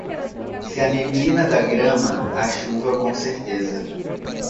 Se a neblina da grama, a chuva com certeza.